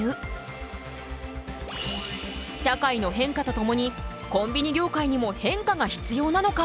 社会の変化とともにコンビニ業界にも変化が必要なのか？